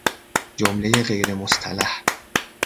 جملهی غیر مصطلح